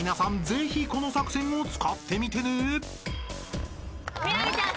ぜひこの作戦を使ってみてね］